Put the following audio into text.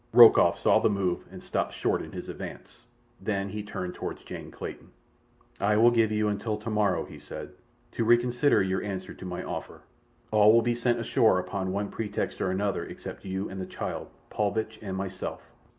Rokoff saw the move and stopped short in his advance. Then he turned toward Jane Clayton. "I will give you until tomorrow," he said, "to reconsider your answer to my offer. All will be sent ashore upon one pretext or another except you and the child, Paulvitch and myself.